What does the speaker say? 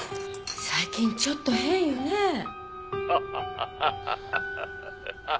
最近ちょっと変よねえ。